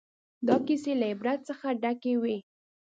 دا کیسې له عبرت څخه ډکې وې.